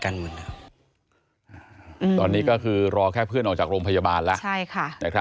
กันหมดตอนนี้ก็คือรอแค่เพื่อนออกจากโรงพยาบาลแล้วใช่ค่ะ